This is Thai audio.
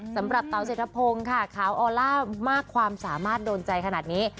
สำหรับเตาเสธพงค่ะขาวออลล่ามากความสามารถโดนใจขนาดนี้